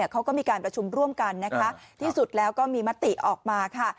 เขาก็มีการประชุมร่วมกันนะคะที่สุดแล้วก็มีมติออกมาค่ะ